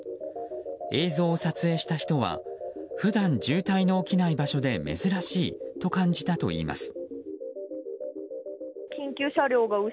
映像を撮影した人は普段、渋滞の起きない場所で珍しいと感じたといいます。